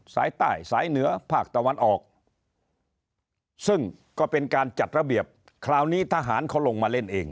สายใต้สายเหนือภาคตะวันออกซึ่งก็เป็นการจัดระเบียบคราวนี้ทหารเขาลงมาเล่นเอง